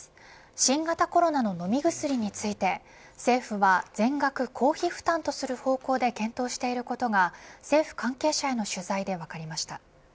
新型コロナの飲み薬について政府は全額公費負担とする方向で検討していることが政府関係者への取材で分かりました。